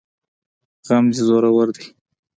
غم دي زورور دی